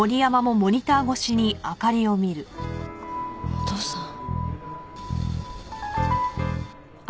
お父さん。